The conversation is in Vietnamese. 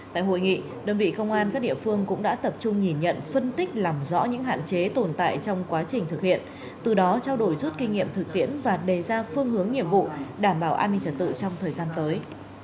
tại hội nghị đơn vị công an các địa phương cũng đã tập trung nhìn nhận phân tích làm rõ những hạn chế tồn tại trong quá trình thực hiện từ đó trao đổi rút kinh nghiệm thực tiễn và đề ra phương hướng nhiệm vụ đảm bảo an ninh trật tự trong thời gian tới